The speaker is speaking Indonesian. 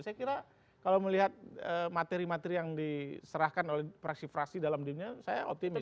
saya kira kalau melihat materi materi yang diserahkan oleh fraksi fraksi dalam dirinya saya optimis